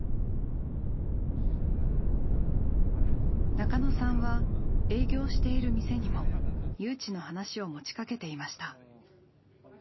中野さんは営業している店にも誘致の話を持ちかけていました。